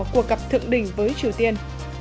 cuộc gặp thượng đỉnh với triều tiên